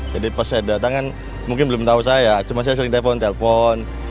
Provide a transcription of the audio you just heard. jadi pas saya datang kan mungkin belum tahu saya cuma saya sering telepon telepon